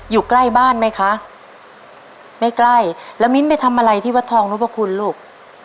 อยู่ใกล้บ้านไหมคะไม่ใกล้แล้วมิ้นไปทำอะไรที่วัดทองนพคุณลูก